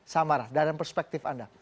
samara dalam perspektif anda